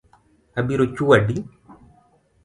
Abiro chwadi